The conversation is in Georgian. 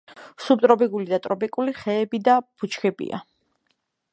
სუბტროპიკული და ტროპიკული ხეები და ბუჩქებია.